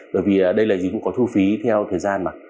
bởi vì đây là dịch vụ có thu phí theo thời gian mà